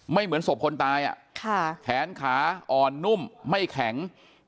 เหมือนศพคนตายแขนขาอ่อนนุ่มไม่แข็ง